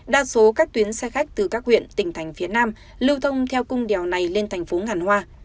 đa số các tuyến xe khách từ các huyện tỉnh thành phía nam lưu thông theo cung đèo này lên thành phố ngàn hoa